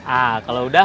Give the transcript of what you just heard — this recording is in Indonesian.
ah kalau udah